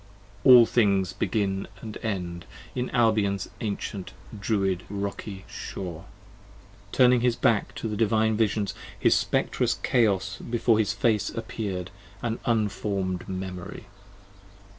15 (All thing[s] begin & end, in Albion's Ancient Druid Rocky Shore.) p. 33 TURNING his back to the Divine Vision, his Spectrous Chaos before his face appear'd; an Unformed Memory!